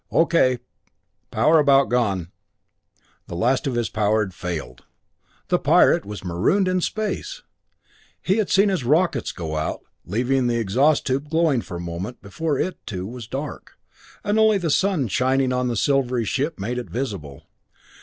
"O.K. power about gone " The last of his power had failed! The pirate was marooned in space! They had seen his rockets go out, leaving the exhaust tube glowing for a moment before it, too, was dark, and only the sun shining on the silvery ship made it visible.